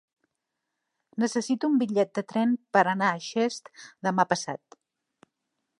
Necessito un bitllet de tren per anar a Xest demà passat.